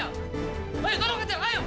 bu ibu mau nyari ribut di sini